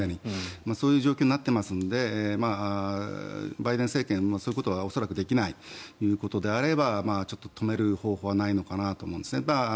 そういう状況になっていますのでバイデン政権はそういうことは恐らくできないということであればちょっと止める方法はないのかなと思いますね。